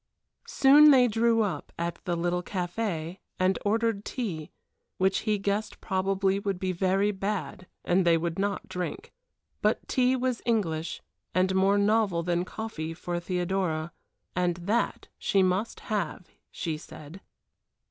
Soon they drew up at the little café and ordered tea, which he guessed probably would be very bad and they would not drink. But tea was English, and more novel than coffee for Theodora, and that she must have, she said.